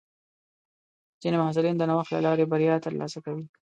ځینې محصلین د نوښت له لارې بریا ترلاسه کوي.